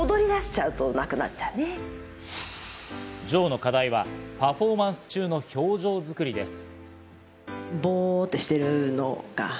ＪＯの課題はパフォーマンス中の表情作りです。